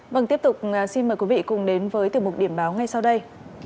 vâng tiếp tục xin mời quý vị cùng đến với tiểu mục điểm báo ngay sau đây